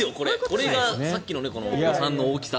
これがさっきの予算の大きさ。